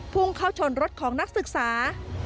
พุ่งเข้าชนรถของนักศึกษา